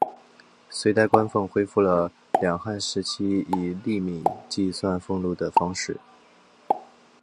隋代官俸恢复了两汉时期以粟米计算俸禄的方式。